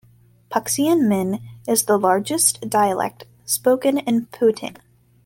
Puxian Min is the largest dialect spoken in Putian.